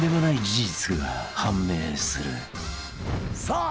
さあ